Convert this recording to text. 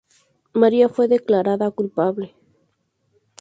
María fue declarada culpable.